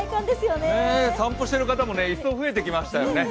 ねえ、散歩してる方もいっそう増えてきましたよね。